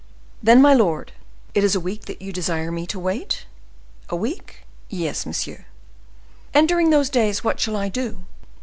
"Then, my lord, it is a week that you desire me to wait?" "A week? yes, monsieur." "And during those days what shall I do?"